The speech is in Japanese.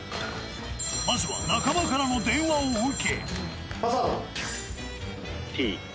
まずは仲間からの電話を受け。